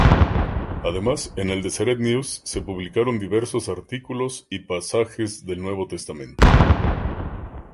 Además en el Deseret News se publicaron diversos artículos y pasajes del Nuevo Testamento.